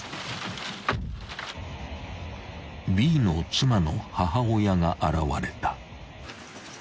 ［Ｂの妻の母親が現れた］